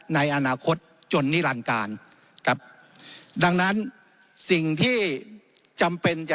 ในอนาคตจนนิรันการครับดังนั้นสิ่งที่จำเป็นจะ